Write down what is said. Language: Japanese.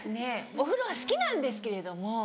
お風呂は好きなんですけれども。